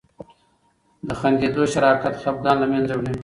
د خندیدو شراکت خفګان له منځه وړي.